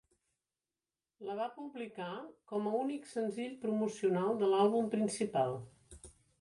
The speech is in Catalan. La va publicar com a únic senzill promocional de l'àlbum principal.